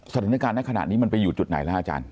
สถานการณ์ในขณะนี้มันไปอยู่จุดไหนแล้วอาจารย์